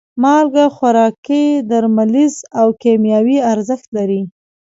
مالګه خوراکي، درملیز او کیمیاوي ارزښت لري.